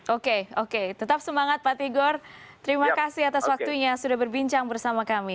oke oke tetap semangat pak tigor terima kasih atas waktunya sudah berbincang bersama kami